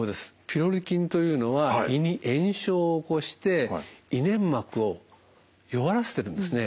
ピロリ菌というのは胃に炎症を起こして胃粘膜を弱らせてるんですね。